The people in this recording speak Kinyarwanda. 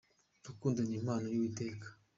urukundo ni impano y'uwiteka.